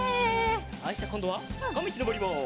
はいじゃあこんどはさかみちのぼります。